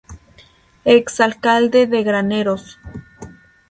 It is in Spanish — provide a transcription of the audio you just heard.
Ex Alcalde de Graneros.